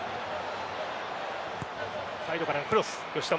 サイドからのクロス。